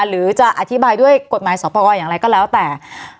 หรือจะอธิบายด้วยกฎหมายสอบประกอบอย่างไรก็แล้วแต่